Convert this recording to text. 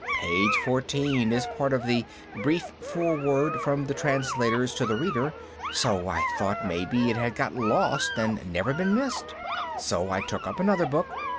Page fourteen is part of the 'Brief Foreword from the Translators to the Reader,' so I thought maybe it had got lost and never been missed. So I took up another book.